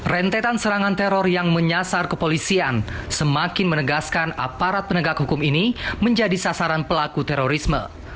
rentetan serangan teror yang menyasar kepolisian semakin menegaskan aparat penegak hukum ini menjadi sasaran pelaku terorisme